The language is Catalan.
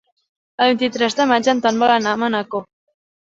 El vint-i-tres de maig en Ton vol anar a Manacor.